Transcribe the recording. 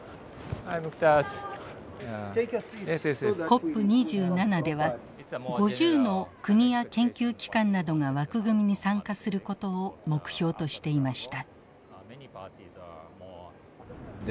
ＣＯＰ２７では５０の国や研究機関などが枠組みに参加することを目標としていました。